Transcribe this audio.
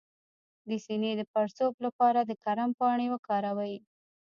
د سینې د پړسوب لپاره د کرم پاڼې وکاروئ